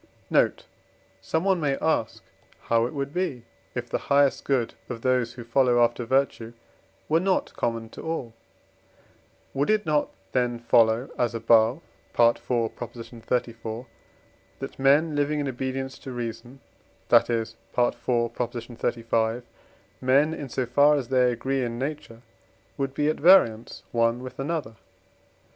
Note. Someone may ask how it would be, if the highest good of those who follow after virtue were not common to all? Would it not then follow, as above (IV. xxxiv.), that men living in obedience to reason, that is (IV. xxxv.), men in so far as they agree in nature, would be at variance one with another?